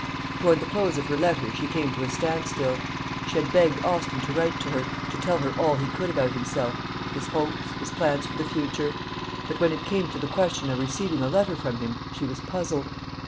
Toward the close of her letter she came to a standstill. She had begged Austin to write to her, to tell her all he could about himself, his hopes, his plans for the future; but when it came to the question of receiving a letter from him she was puzzled.